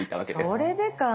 それでか。